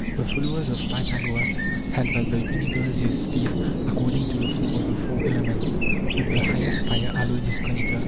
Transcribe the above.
The followers of Pythagoras held that the universe is a sphere according to the form of the four elements ; but. the highest fire alone is conical.